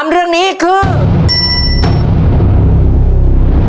ชุดที่๔ห้อชุดที่๔